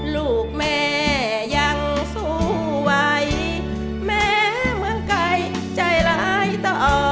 ลูกแม่ยังสู้ไหวแม้เมืองไก่ใจร้ายต่อ